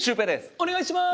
お願いします！